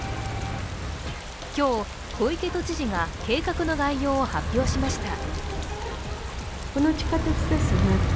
今日、小池都知事が計画の概要を発表しました。